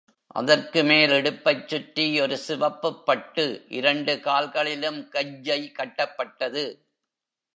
அதற்குமேல் இடுப்பைச் சுற்றி ஒரு சிவப்புப் பட்டு இரண்டு கால்களிலும் கஜ்ஜை கட்டப்பட்டது.